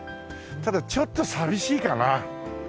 ただちょっと寂しいかな。